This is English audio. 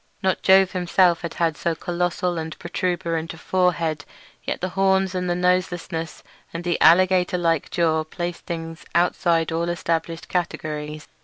Not Jove himself had so colossal and protuberant a forehead, yet the horns and the noselessness and the alligator like jaw placed the things outside all established categories.